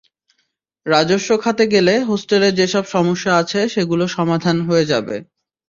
রাজস্ব খাতে গেলে হোস্টেলের যেসব সমস্যা আছে সেগুলো সমাধান হয়ে যাবে।